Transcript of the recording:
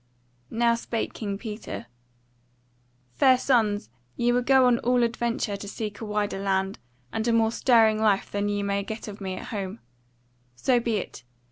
Now spake King Peter: "Fair sons, ye would go on all adventure to seek a wider land, and a more stirring life than ye may get of me at home: so be it!